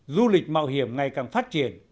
du lịch mạo hiểm ngày càng phát triển